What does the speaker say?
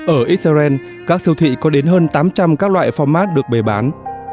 ở israel các siêu thị có đến hơn tám trăm linh các loại pho mát được bày bán